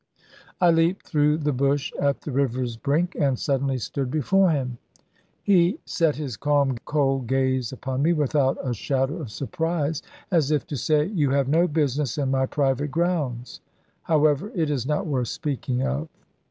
I leaped through the bush at the river's brink, and suddenly stood before him. He set his calm cold gaze upon me, without a shadow of surprise, as if to say, "You have no business in my private grounds; however, it is not worth speaking of."